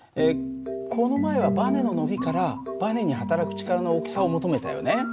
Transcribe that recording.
この前はバネの伸びからバネに働く力の大きさを求めたよね。